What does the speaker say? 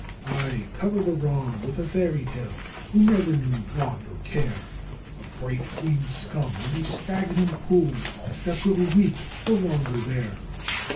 'Ay! cover the wrong with a fairy tale who never knew want or care A bright green scum on a stagnant pool that will reek the longer there.